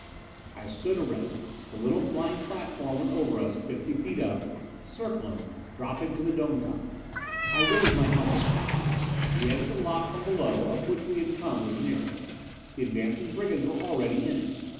I stood erect. The little flying platform went over us, fifty feet up, circling, dropping to the dome top. I waved my helmet light. The exit lock from below up which we had come was near us. The advancing brigands were already in it!